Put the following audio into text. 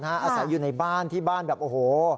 อาศัยอยู่ในบ้านที่บ้านแบบโอ้โห